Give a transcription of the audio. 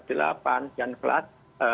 dan kelas sebelas